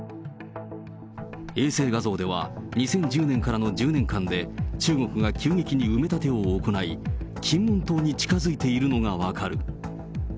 衛星画像では２０１０年からの１０年間で、中国が急激に埋め立てを行い、金門島に近づいているのが分かる。